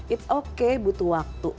it's okay butuh waktu